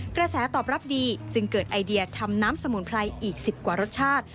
กระแสตอบรับดีจึงเกิดไอเดียทำน้ำสมุนไพรอีก๑๐กว่ารสชาติ